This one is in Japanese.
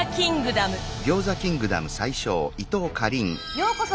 ようこそ！